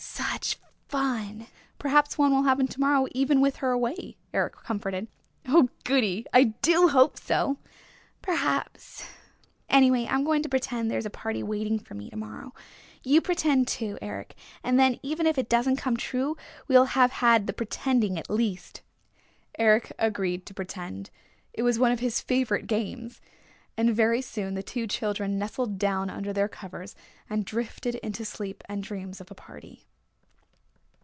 "Such fun!" "Perhaps one will happen to morrow even with her away," Eric comforted. "Oh, goody! I do hope so!" "Perhaps. Anyway I'm going to pretend there's a party waiting for me to morrow. You pretend too, Eric, and then even if it doesn't come true we will have had the pretending at least." Eric agreed to pretend. It was one of his favorite games. And very soon the two children nestled down under their covers and drifted into sleep and dreams of a party.